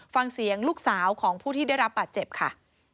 ฟังเสียงลูกสาวของผู้ที่ได้รับบาดเจ็บค่ะ